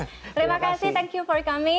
terima kasih thank you for kami